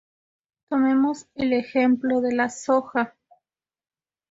Tomemos el ejemplo de la soja.